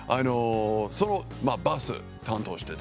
そのバス担当してて。